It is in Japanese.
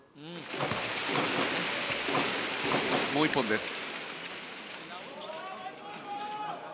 もう１本です。